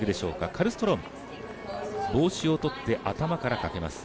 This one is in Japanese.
カルストローム帽子を取って頭からかけます。